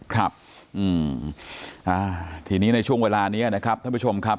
ครับอืมอ่าทีนี้ในช่วงเวลานี้นะครับท่านผู้ชมครับ